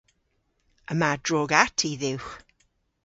Yma drog-atti dhywgh.